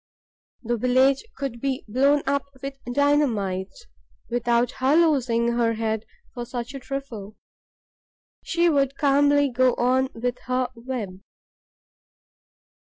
The village could be blown up with dynamite, without her losing her head for such a trifle. She would calmly go on with her web.